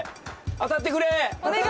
当たってくれ。